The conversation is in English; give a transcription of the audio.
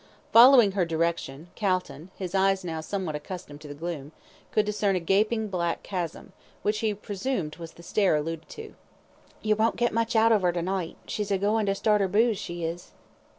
Following her direction, Calton his eyes now somewhat accustomed to the gloom could discern a gaping black chasm, which he presumed was the stair alluded to. "Yer won't get much out of 'er to night; she's a going to start 'er booze, she is."